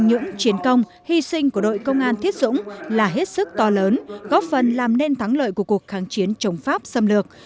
những chiến công hy sinh của đội công an thiết dũng là hết sức to lớn góp phần làm nên thắng lợi của cuộc kháng chiến chống pháp xâm lược